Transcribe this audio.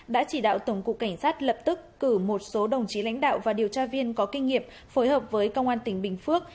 đã chỉ đạo tổng cục cảnh sát lập tức cử một số đồng chí lãnh đạo và điều tra viên có kinh nghiệm phối hợp với công an tỉnh bình phước